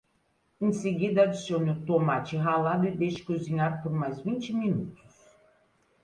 Em seguida, adicione o tomate ralado e deixe cozinhar por mais vinte minutos.